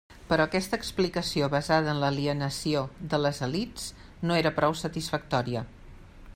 Però aquesta explicació basada en l'alienació de les elits no era prou satisfactòria.